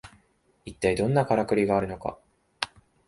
いったいどんなカラクリがあるのか